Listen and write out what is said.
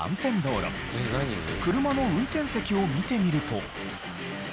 車の運転席を見てみると。